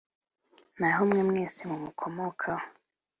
Naho mwe mwese mumukomokaho